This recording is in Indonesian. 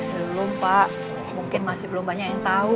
belum pak mungkin masih belum banyak yang tahu